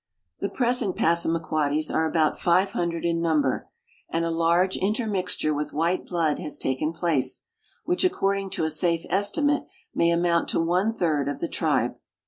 The present Passamaquoddies are about five hundred in num ber, and a large intermixture with white blood has taken place, which according to a safe estimate may amount to one third of the tribe.